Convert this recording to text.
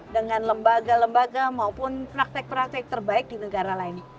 dengan lembaga lembaga maupun praktek praktek terbaik di negara lain